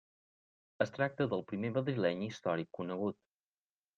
Es tracta del primer madrileny històric conegut.